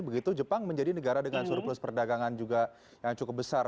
begitu jepang menjadi negara dengan surplus perdagangan juga yang cukup besar